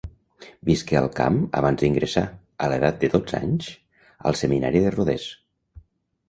Visqué al camp abans d'ingressar, a l'edat de dotze anys, al seminari de Rodés.